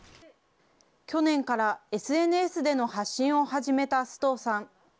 去年からＳＮＳでの発信を始めた須藤さん。